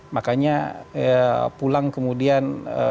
makanya pulang kemudian